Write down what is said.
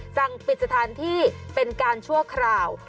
สั่งปิดสถานที่เป็นการชั่วคราว